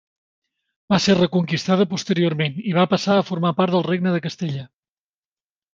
Va ser reconquistada posteriorment, i va passar a formar part del Regne de Castella.